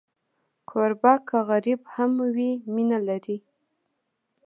کوربه که غریب هم وي، مینه لري.